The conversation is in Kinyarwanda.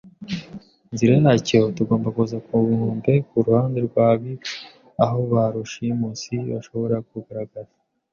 inzira yacyo tugomba kuza ku nkombe kuruhande rwa gigs, aho ba rushimusi bashobora kugaragara